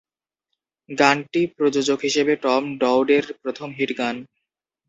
গানটি প্রযোজক হিসেবে টম ডওডের প্রথম হিট গান।